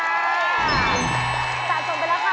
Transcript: สายส่งไปแล้วค่ะ